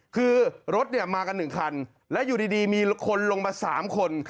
คือรถมากัน๑คันและอยู่ดีมีคนลงมา๓คน